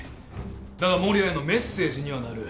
だが守谷へのメッセージにはなる。